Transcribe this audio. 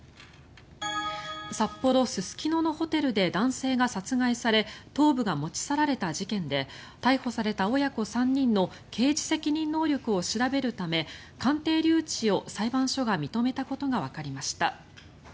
札幌・すすきののホテルで男性が殺害され頭部が持ち去られた事件で逮捕された親子３人の刑事責任能力を調べるため鑑定留置を裁判所が認めたことがわかりました。